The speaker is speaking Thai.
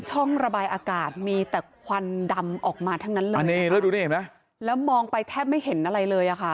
ช่องระบายอากาศมีแต่ควันดำออกมาทั้งนั้นเลยแล้วมองไปแทบไม่เห็นอะไรเลยค่ะ